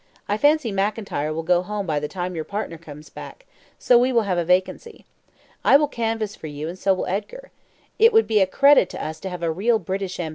I fancy McIntyre will go home by the time your partner comes back, so we will have a vacancy. I will canvass for you, and so will Edgar. It would be a credit to us to have a real British M.